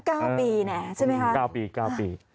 ตั้ง๙ปีน่ะใช่ไหมครับ๙ปี๙ปี